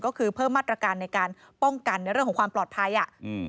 ก็คือเพิ่มมาตรการในการป้องกันในเรื่องของความปลอดภัยอ่ะอืม